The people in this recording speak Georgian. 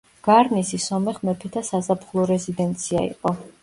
გარნისი სომეხ მეფეთა საზაფხულო რეზიდენცია იყო.